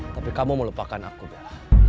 tapi kamu melupakan aku bella